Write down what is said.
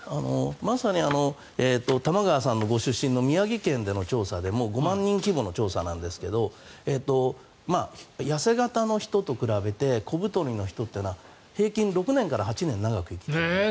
まさに玉川さんのご出身の宮城県での調査でも５万人規模の調査ですが痩せ形の人と比べて小太りの人というのは平均６年から８年長生きできる。